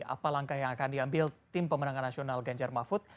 apa langkah yang akan diambil tim pemenangan nasional ganjar mahfud